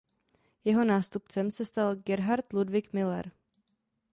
Jeho nástupcem se stal Gerhard Ludwig Müller.